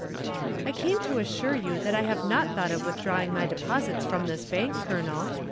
"I came to assure you that I have not thought of withdrawing my deposits from this bank, Colonel.